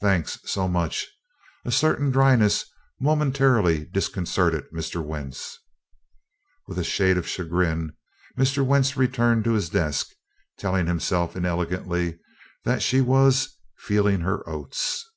"Thanks so much." A certain dryness momentarily disconcerted Mr. Wentz. With a shade of chagrin Mr. Wentz returned to his desk, telling himself inelegantly that she was "feeling her oats."